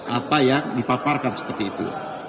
apa yang dipaparkan seperti itu